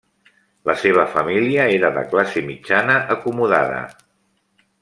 La seva família era de classe mitjana acomodada.